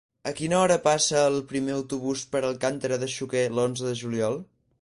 A quina hora passa el primer autobús per Alcàntera de Xúquer l'onze de juliol?